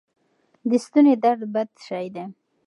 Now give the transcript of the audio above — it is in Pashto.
د ستوني درد بد شی دی.